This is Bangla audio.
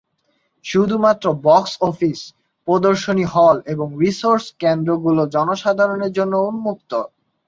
শুধুমাত্র বক্স অফিস, প্রদর্শনী হল এবং রিসোর্স কেন্দ্র গুলো জনসাধারণের জন্য উন্মুক্ত।